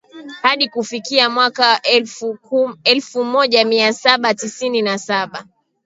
Hadi kufikia mwaka elfu moja mia saba tisini na saba